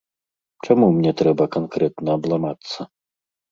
Чаму мне трэба канкрэтна абламацца?